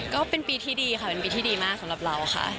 ก็เป็นปีที่ดีค่ะเป็นปีที่ดีมากสำหรับเราค่ะ